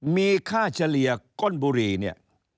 มีค่าเฉลี่ย